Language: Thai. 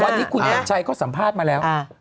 วันนี้คุณกัญชัยเขาสัมภาษณ์มาแล้ว